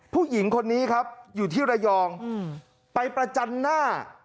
ผู้หญิงคนนี้ครับอยู่ที่ระยองไปประจันหน้า